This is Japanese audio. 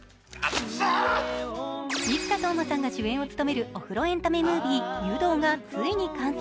生田斗真さんが主演を務めるお風呂エンタメムービー、「湯道」がついに完成。